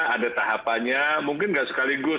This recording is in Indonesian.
ada tahapannya mungkin nggak sekaligus